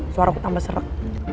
suaraku tambah seret